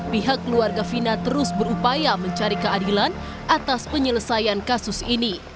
pihak keluarga fina terus berupaya mencari keadilan atas penyelesaian kasus ini